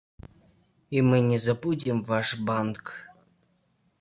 И мы не забудем ваш банк.